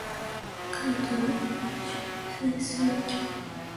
北海道小清水町